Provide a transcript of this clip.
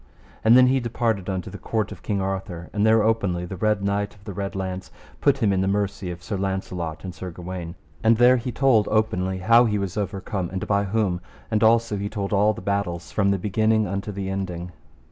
And then he departed unto the court of King Arthur, and there openly the Red Knight of the Red Launds put him in the mercy of Sir Launcelot and Sir Gawaine, and there he told openly how he was overcome and by whom, and also he told all the battles from the beginning unto the ending.